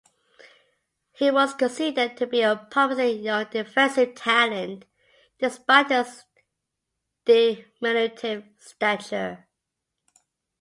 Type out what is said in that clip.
He was considered to be a promising young defensive talent, despite his diminutive stature.